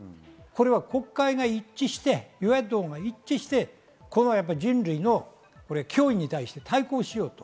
国会が一致して与野党が一致して、人類の脅威に対して対向しよう。